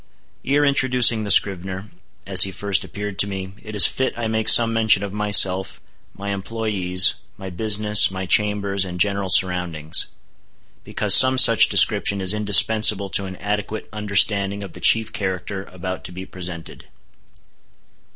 Ere introducing the scrivener, as he first appeared to me, it is fit I make some mention of myself, my employés, my business, my chambers, and general surroundings; because some such description is indispensable to an adequate understanding of the chief character about to be presented.